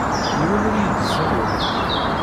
Yiwen ur iyi-d-issawel.